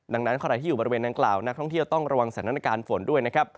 ดังนั้นใครที่อยู่บริเวณนางกล่าวนักท่องเที่ยวต้องระวังสถานการณ์ฝนด้วยนะครับ